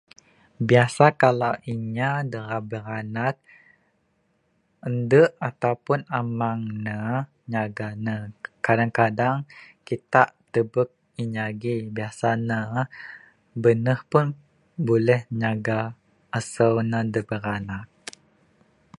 Biasa kalau inya da rak biranak, ande ataupun amang ne nyaga ne, kadang kadang kita tebek inya geng biasa ne beneh pun buleh nyaga aseu ne da biranak.